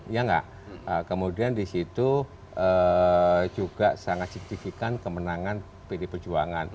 iya gak kemudian disitu juga sangat signifikan kemenangan pdip perjuangan